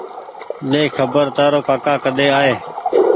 ۮي کبر تآرو ڪآڪآ ڪۮي آئي